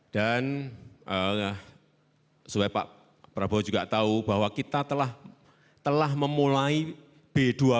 dan supaya pak prabowo juga tahu bahwa kita telah memulai b dua puluh